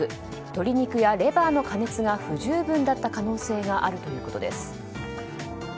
鶏肉やレバーの加熱が不十分だった可能性があるということです。